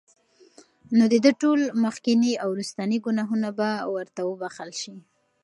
نو د ده ټول مخکيني او وروستني ګناهونه به ورته وبخښل شي